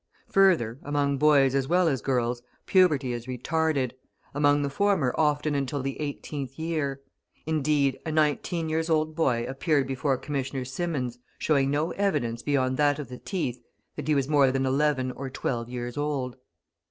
Further, among boys as well as girls, puberty is retarded, among the former often until the eighteenth year; indeed, a nineteen years old boy appeared before Commissioner Symonds, showing no evidence beyond that of the teeth, that he was more than eleven or twelve years old.